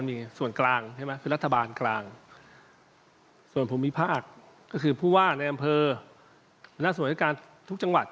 มันน่าส่วนอุปกรณ์ทุกจังหวัด